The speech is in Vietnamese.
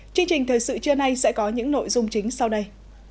chương trình thời sự trưa nay sẽ có những nội dung chính sau đây